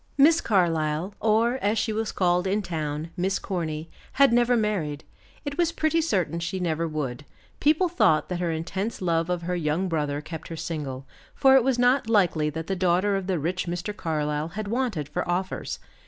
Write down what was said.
Miss Carlyle, or, as she was called in town, Miss Corny, had never married; it was pretty certain she never would; people thought that her intense love of her young brother kept her single, for it was not likely that the daughter of the rich Mr. Carlyle had wanted for offers.